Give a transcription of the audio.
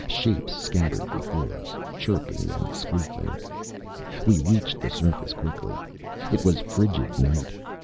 Shapes scattered before us, chirping and squeaking. We reached the surface quickly. It was frigid night.